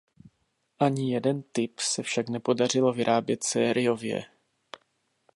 Ani jeden typ se však nepodařilo vyrábět sériově.